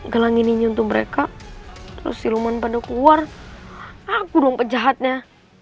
kali nyenyentuh mereka terus film and out gua aku jahatnya